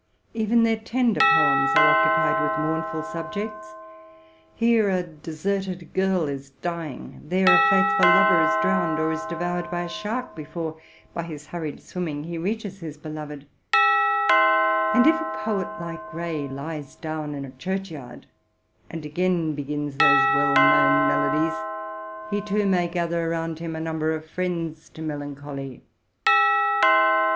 Even their tender poems are occupied with mournful subjects. Here a deserted girl is dying; there a faithful lover is drowned, or is devoured by a shark before, by his hurried swimming, he reaches his beloved; and if a poet like Gray lies down in a churchyard, and again begins those well known melodies, he, too, may gather round him a number of friends to melancholy.